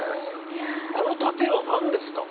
あの殺陣は、何ですか？